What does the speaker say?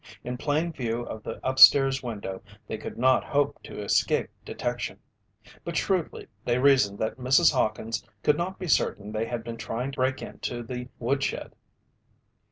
In plain view of the upstairs window, they could not hope to escape detection. But shrewdly, they reasoned that Mrs. Hawkins could not be certain they had been trying to break into the woodshed.